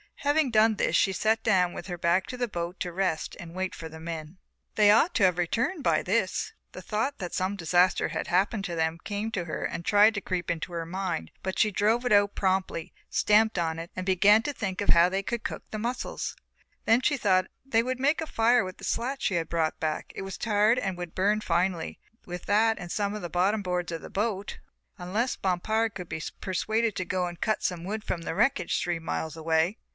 Having done this she sat down with her back to the boat to rest and wait for the men. They ought to have returned by this. The thought that some disaster had happened to them came to her and tried to creep into her mind, but she drove it out promptly, stamped on it and began to think of how they would cook the mussles. They would make a fire with the slat she had brought back, it was tarred and would burn finely, with that and some of the bottom boards of the boat, unless Bompard could be persuaded to go and cut some wood from the wreckage three miles away.